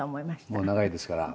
もう長いですから。